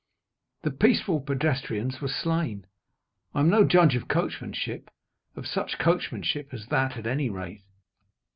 The peaceful pedestrians were slain. I am no judge of coachmanship of such coachmanship as that, at any rate.